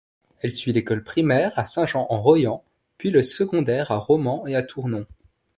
Elle suit l'école primaire à Saint-Jean-en-Royans, puis le secondaire à Romans et à Tournon.